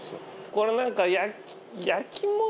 これ何か。